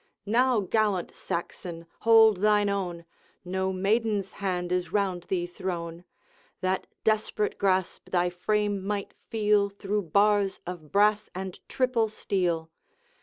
Now, gallant Saxon, hold thine own! No maiden's hand is round thee thrown! That desperate grasp thy frame might feel Through bars of brass and triple steel!